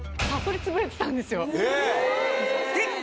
えっ！